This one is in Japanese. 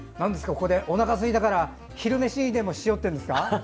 ここでおなかがすいたから昼飯にでもしようっていうんですか？